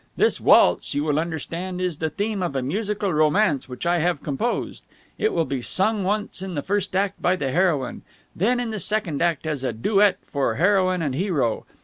This waltz, you will understand, is the theme of a musical romance which I have composed. It will be sung once in the first act by the heroine, then in the second act as a duet for heroine and hero.